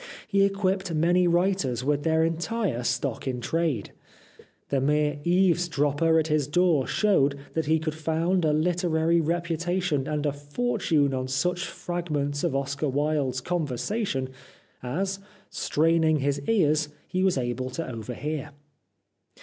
He equipped many writers with their entire stock in trade. The mere eavesdropper at his door showed that he could found a literary reputation and a fortune on such fragments of Oscar Wilde's conversation, as, straining his ears, he was able to overhear.